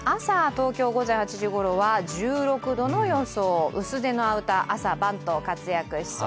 朝、午前８時ごろは１６度の予想、薄手のアウター、朝晩と活躍しそう。